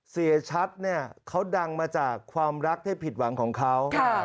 เสียชัดเนี่ยเขาดังมาจากความรักที่ผิดหวังของเขา